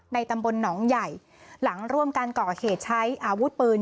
ตำบลหนองใหญ่หลังร่วมกันก่อเหตุใช้อาวุธปืน